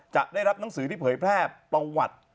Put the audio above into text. จะได้รับหนังสือที่เผยแพร่ประวัติ